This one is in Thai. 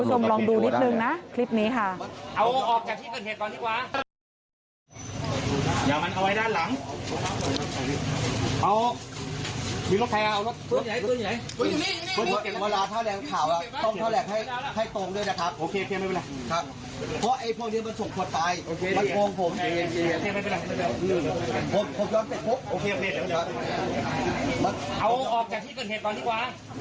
คุณผู้ชมลองดูนิดหนึ่งนะคลิปนี้ค่ะ